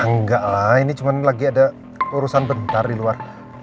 enggak lah ini cuma lagi ada urusan bentar di luar